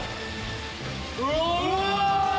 うわ！